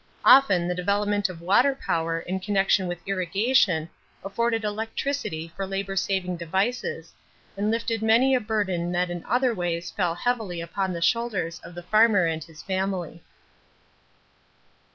Often the development of water power in connection with irrigation afforded electricity for labor saving devices and lifted many a burden that in other days fell heavily upon the shoulders of the farmer and his family.